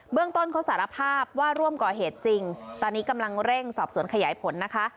เรื่องต้นเขาสารภาพว่าร่วมก่อเหตุจริงตอนนี้กำลังเร่งสอบสวนขยายผลนะคะ